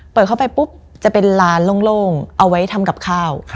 เปิดเข้าไปปุ๊บจะเป็นลานโล่งเอาไว้ทำกับข้าว